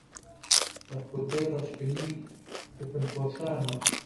بە خوتبەی ڕشکنی کفنپۆشان و